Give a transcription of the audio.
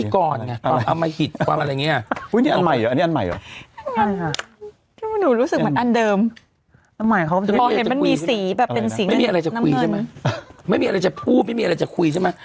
กว่าอาจอาชญากรรมไงเด้อไม่มีอะไรจะคุยใช่ไหมไม่มีอะไรจะพูดไม่มีอะไรจะคุยใช่ไหม